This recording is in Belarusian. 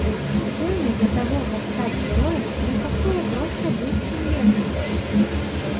Сёння для таго, каб стаць героем, дастаткова проста быць сумленным.